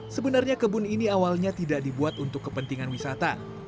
sebenarnya kebun ini awalnya tidak dibuat untuk kepentingan wisata